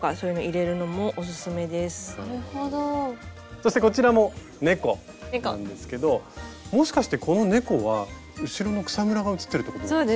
そしてこちらも猫なんですけどもしかしてこの猫は後ろの草むらがうつってるってことなんですか？